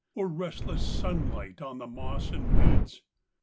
Or restless sunlight on the moss and weeds?